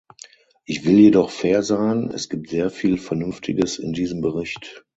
Ich will jedoch fair sein, es gibt sehr viel Vernünftiges in diesem Bericht.